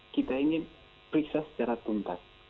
kita ingin periksa secara tuntas